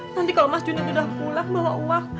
nanti kalau mas junet udah pulang bawa uang